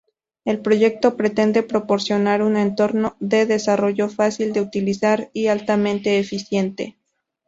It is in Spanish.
El proyecto pretende proporcionar un entorno de desarrollo fácil de utilizar y altamente eficiente.